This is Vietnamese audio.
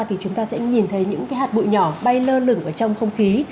thì chúng ta sẽ nhìn thấy những hạt bụi nhỏ bay lơ lửng vào trong không khí